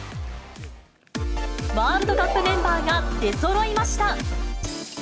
ワールドカップメンバーが出そろいました。